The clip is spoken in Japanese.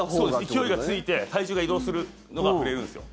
勢いがついて体重が移動するのが振れるんですよ。